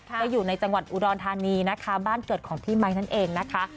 ก็อยู่ในจังหวัดอุดรธานีนะคะบ้านเกิดของพี่ไมค์นั่นเองนะคะ